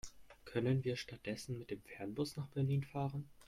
Können wir stattdessen mit dem Fernbus nach Berlin fahren?